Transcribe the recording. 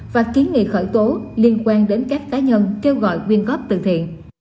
và kiến nghị khởi tố liên quan đến các cá nhân kêu gọi quyên góp từ thiện